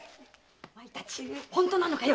お前たち本当なのかい